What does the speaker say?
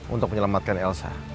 untuk menyelamatkan elsa